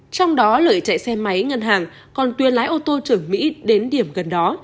trong đó lợi chạy xe máy ngân hàng còn tuyền lái ô tô chở mỹ đến điểm gần đó